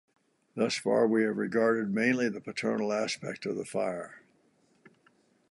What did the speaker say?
Thus far we have regarded mainly the paternal aspect of the fire.